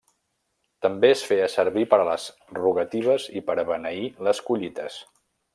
També es feia servir per a les rogatives i per a beneir les collites.